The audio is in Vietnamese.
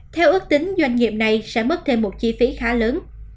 theo ước tính doanh nghiệp này sẽ mất thêm một chi phí khá lớn